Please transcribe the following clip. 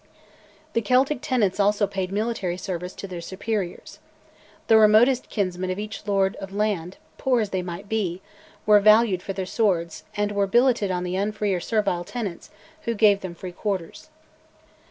The Celtic tenants also paid military service to their superiors. The remotest kinsmen of each lord of land, poor as they might be, were valued for their swords, and were billeted on the unfree or servile tenants, who gave them free quarters.